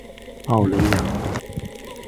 奥雷扬。